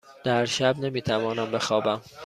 در شب نمی توانم بخوابم.